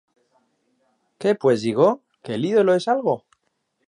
¿Qué pues digo? ¿Que el ídolo es algo?